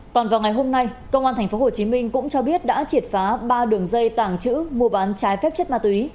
còn vào ngày hôm nay công an tp hcm cũng cho biết đã triệt phá ba đường dây tàng trữ mua bán trái phép chất ma túy